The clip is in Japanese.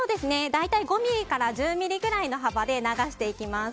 大体５ｍｍから１０ｍｍくらいの幅で流していきます。